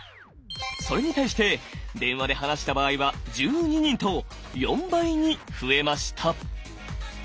それに対して電話で話した場合は１２人と４倍に増えました。